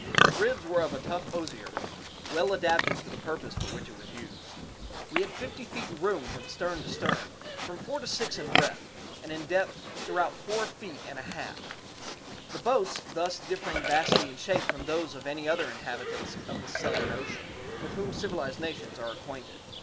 The ribs were of a tough osier, well adapted to the purpose for which it was used. We had fifty feet room from stem to stern, from four to six in breadth, and in depth throughout four feet and a half the boats thus differing vastly in shape from those of any other inhabitants of the Southern Ocean with whom civilized nations are acquainted.